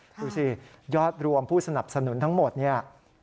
ดูสิยอดรวมผู้สนับสนุนทั้งหมดเนี่ย